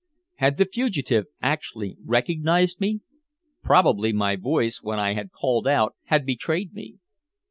Had the fugitive actually recognized me? Probably my voice when I had called out had betrayed me.